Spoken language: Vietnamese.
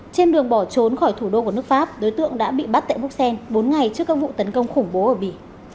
trên đường bỏ trốn khỏi thủ đô của nước pháp đối tượng đã bị bắt tại bruxelles bốn ngày trước các vụ tấn công khủng bố ở bỉ